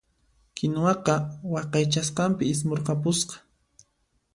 Kinuwaqa waqaychasqanpi ismurqapusqa.